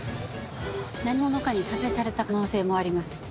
何者かに殺害された可能性もあります。